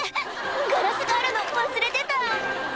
ガラスがあるの忘れてた」